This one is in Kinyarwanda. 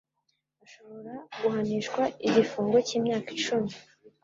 Ashobora guhanishwa igifungo cyimyaka icumi.